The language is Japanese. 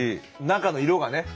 中の色がね。